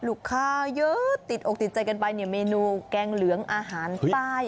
ข้าวเยอะติดอกติดใจกันไปเนี่ยเมนูแกงเหลืองอาหารใต้